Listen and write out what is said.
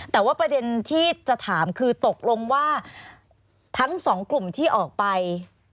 แต่ว่าประเด็นที่จะถามคือตกลงว่าทั้งสองกลุ่มที่ออกไป